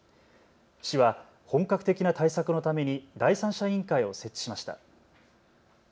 市は本格的な対策のために第三者委員会を設置しました。